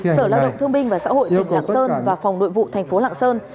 sở lao động thương binh và xã hội tỉnh lạng sơn và phòng nội vụ thành phố lạng sơn